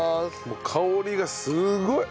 もう香りがすごい！